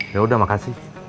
ya udah makasih